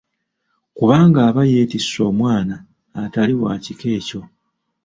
Kubanga aba yeetisse omwana atali wa kika ekyo.